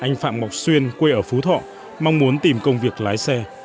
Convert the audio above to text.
anh phạm ngọc xuyên quê ở phú thọ mong muốn tìm công việc lái xe